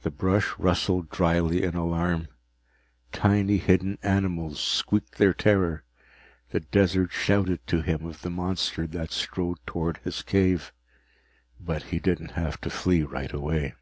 The brush rustled dryly in alarm, tiny hidden animals squeaked their terror, the desert shouted to him of the monster that strode toward his cave. But he didn't have to flee right away.